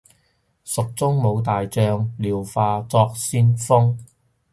蜀中無大將，廖化作先鋒